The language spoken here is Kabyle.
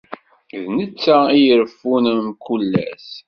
D netta i ireffun mkul ass.